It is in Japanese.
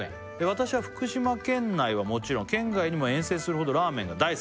「私は福島県内はもちろん」「県外にも遠征するほどラーメンが大好きで」